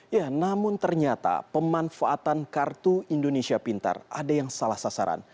ya namun ternyata pemanfaatan kartu indonesia pintar ada yang salah sasaran